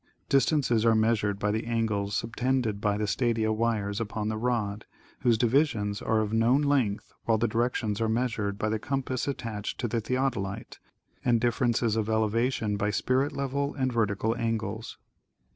Distances are measured by the angles subtended by the stadia wires upon the rod, whose divisions are of known length, while the directions are measured by the compass attached to the theodolite, and differences of elevation by spirit level and vertical angles.